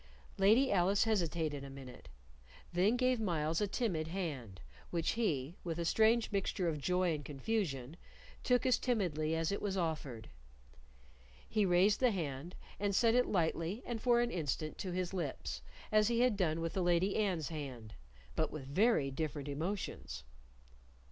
Lady Alice hesitated a minute, then gave Myles a timid hand, which he, with a strange mixture of joy and confusion, took as timidly as it was offered. He raised the hand, and set it lightly and for an instant to his lips, as he had done with the Lady Anne's hand, but with very different emotions.